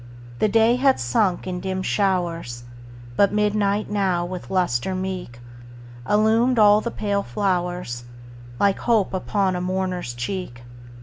The day had sunk in dim showers, But midnight now, with lustre meek, Illumined all the pale flowers, Like hope upon a mourner's cheek.